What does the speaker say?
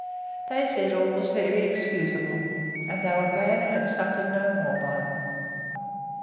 They said, All was very excusable; and they were glad I suffered no more by it.